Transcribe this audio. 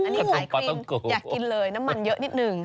อันนี้หลายคลินอยากกินเลยน้ำมันเยอะนิดนึง